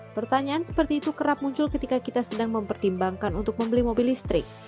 pertanyaan seperti itu kerap muncul ketika kita sedang mempertimbangkan untuk membeli mobil listrik